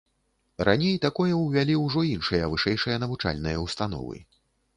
Раней такое ўвялі ўжо іншыя вышэйшыя навучальныя ўстановы.